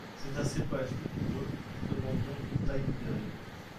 C'est un cépage vigoureux qui demande donc une taille modérée.